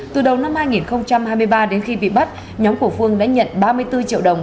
từ đầu năm hai nghìn hai mươi ba đến khi bị bắt nhóm của phương đã nhận ba mươi bốn triệu đồng